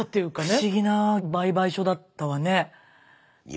不思議な売買所だったわね。